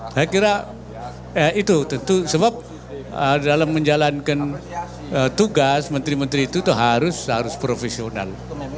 saya kira ya itu tentu sebab dalam menjalankan tugas menteri menteri itu harus profesional